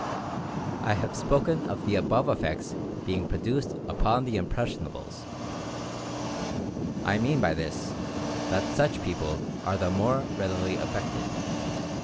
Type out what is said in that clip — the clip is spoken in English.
I have spoken of the above effects being produced upon the "irnpressiondbles." I mean by this, that such people are the more readily affected.